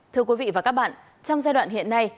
thưa quý vị và các bạn trong giai đoạn hiện nay